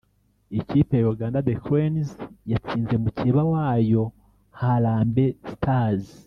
Ikipe ya Uganda (the Cranes) yatsinze mukeba wayo (Harambee Stars)